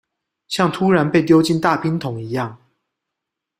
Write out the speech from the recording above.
像突然被丟進大冰桶一樣